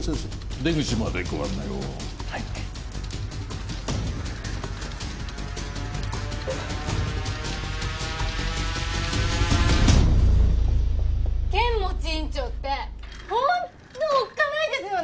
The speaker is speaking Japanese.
出口までご案内をはい剣持院長ってホントおっかないですよね